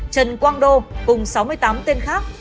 trần quang đô cùng sáu mươi tám tên khác